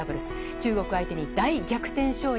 中国相手に大逆転勝利。